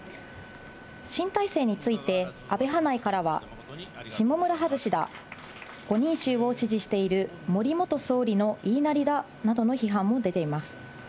新体制について、安倍派内からは、下村外しだ、５人衆を支持している森元総理の言いなりだなどの批判も出ています。